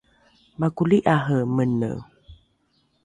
makoli’are mene